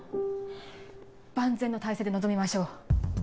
万全の態勢で臨みましょう。